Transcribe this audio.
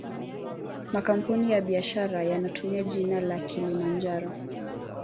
Makampuni ya biashara yanatumia jina la kilimanjaro